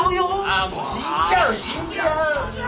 死んじゃう死んじゃう！